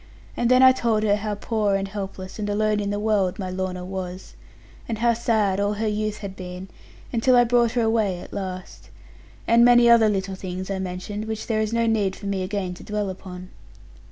And then I told her how poor, and helpless, and alone in the world, my Lorna was; and how sad all her youth had been, until I brought her away at last. And many other little things I mentioned, which there is no need for me again to dwell upon.